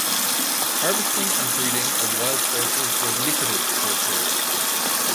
Harvesting and breeding of wild horses was lucrative for a period.